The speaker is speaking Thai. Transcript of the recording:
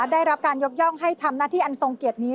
ได้รับการยกย่องให้ทำหน้าที่อันทรงเกียรตินี้